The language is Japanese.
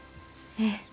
ええ。